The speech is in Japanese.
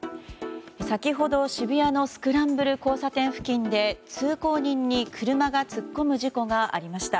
先ほど渋谷のスクランブル交差点付近で通行人に車が突っ込む事故がありました。